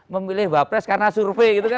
memilih bapres karena survei